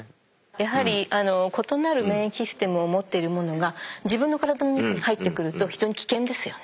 やはり異なる免疫システムを持っているものが自分の体の中に入ってくると非常に危険ですよね。